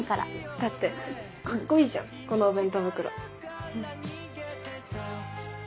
だってカッコいいじゃんこのお弁当袋。